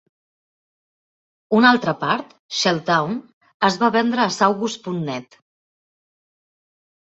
Una altra part, ShellTown, es va vendre a Saugus punt net.